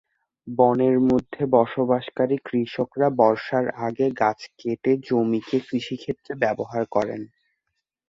বনের মধ্যে বসবাসকারী কৃষকরা বর্ষার আগে গাছ কেটে জমিকে কৃষিক্ষেত্রে ব্যবহার করেন।